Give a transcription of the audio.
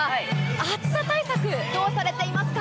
暑さ対策、どうされていますか？